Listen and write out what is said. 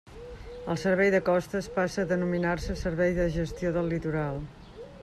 El Servei de Costes passa a denominar-se Servei de Gestió del Litoral.